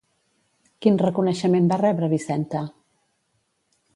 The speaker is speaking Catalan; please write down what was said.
Quin reconeixement va rebre Vicenta?